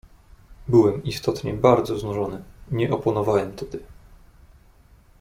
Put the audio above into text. "Byłem istotnie bardzo znużony, nie oponowałem tedy."